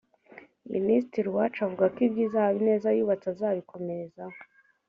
Minisitiri Uwacu avuga ko ibyiza Habineza yubatse azabikomerezaho